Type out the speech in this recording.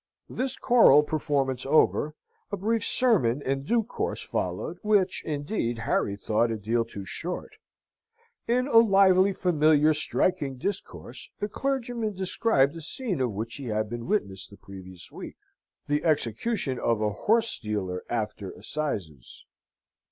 This choral performance over, a brief sermon in due course followed, which, indeed, Harry thought a deal too short. In a lively, familiar, striking discourse the clergyman described a scene of which he had been witness the previous week the execution of a horse stealer after Assizes.